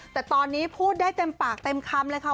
แต่ตอนนี้พูดได้เต็มปากเต็มคำเลยค่ะ